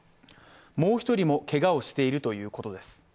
もう１人もけがをしているということです。